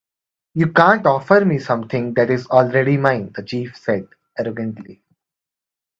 "You can't offer me something that is already mine," the chief said, arrogantly.